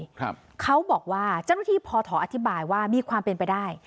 ครับเขาบอกว่าเจ้าหน้าที่พอถออธิบายว่ามีความเป็นไปได้